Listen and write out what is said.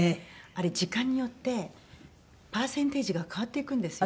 あれ時間によってパーセンテージが変わっていくんですよ。